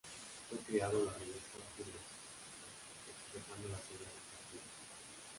Fue creado la revista ""Firenze"", expresando las ideas del partido.